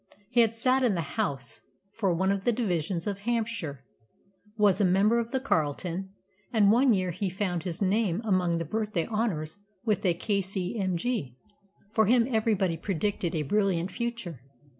He had sat in the House for one of the divisions of Hampshire, was a member of the Carlton, and one year he found his name among the Birthday Honours with a K.C.M.G. For him everybody predicted a brilliant future.